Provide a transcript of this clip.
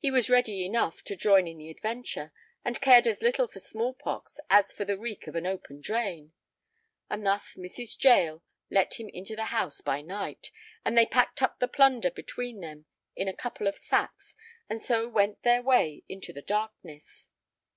He was ready enough to join in the adventure, and cared as little for small pox as for the reek of an open drain. And thus Mrs. Jael let him into the house by night, and they packed up the plunder between them in a couple of sacks, and so went their way into the darkness.